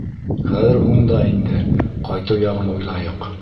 Хәҙер һуң да инде, ҡайтыу яғын уйлайыҡ.